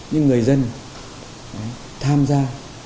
nhưng người dân tham gia